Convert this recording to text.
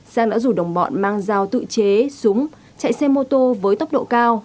sang đã rủ đồng bọn mang dao tự chế súng chạy xe mô tô với tốc độ cao